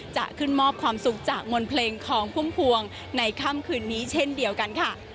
จะขึ้นมอบความสุขจากมนต์เพลงของพุ่มพวงในค่ำคืนนี้เช่นเดียวกันค่ะ